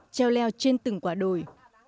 treo leo trên từng quả đồi